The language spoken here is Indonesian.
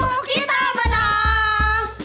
tentu kita menang